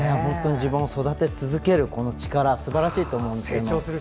自分を育て続ける力すばらしいと思います。